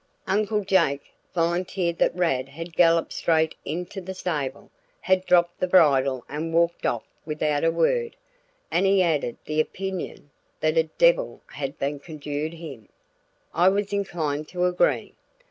Uncle Jake volunteered that Rad had galloped straight into the stable, had dropped the bridle and walked off without a word; and he added the opinion that a "debbil had done conjured him." I was inclined to agree.